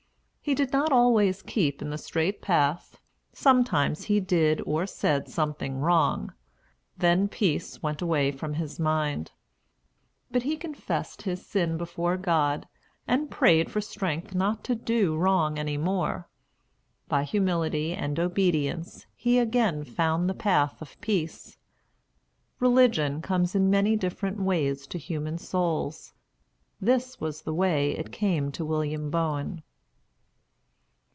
He did not always keep in the straight path. Sometimes he did or said something wrong; then peace went away from his mind. But he confessed his sin before God, and prayed for strength not to do wrong any more. By humility and obedience he again found the path of peace. Religion comes in many different ways to human souls. This was the way it came to William Boen.